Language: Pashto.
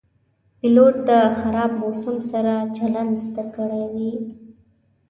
پیلوټ د خراب موسم سره چلند زده کړی وي.